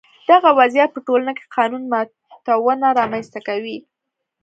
دغه وضعیت په ټولنه کې قانون ماتونه رامنځته کوي.